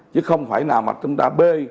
chứ không phải nào mà chúng ta bê